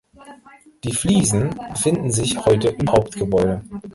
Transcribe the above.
Die Fliesen befinden sich heute im Hauptgebäude.